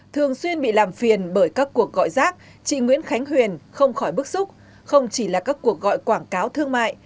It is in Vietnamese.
thường xuyên bị làm phiền bởi các cuộc gọi rác chị nguyễn khánh huyền không khỏi bức xúc không chỉ là các cuộc gọi quảng cáo thương mại